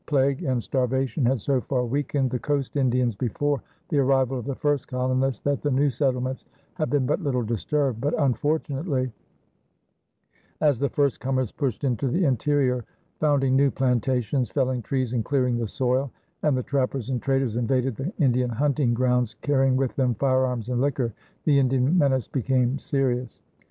Plague and starvation had so far weakened the coast Indians before the arrival of the first colonists that the new settlements had been but little disturbed; but, unfortunately, as the first comers pushed into the interior, founding new plantations, felling trees, and clearing the soil, and the trappers and traders invaded the Indian hunting grounds, carrying with them firearms and liquor, the Indian menace became serious.